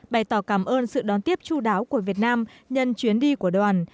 bày tỏ cảm ơn sự đón tiếp chú đáo của việt nam nhân chuyến đi của đoàn